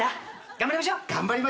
頑張りましょう。